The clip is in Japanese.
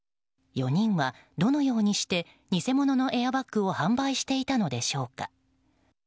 ４人はどのようにして偽物のエアバッグを販売していたのでしょうか。